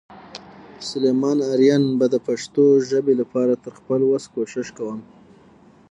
سلیمان آرین به د پښتو ژبې لپاره تر خپل وس کوشش کوم.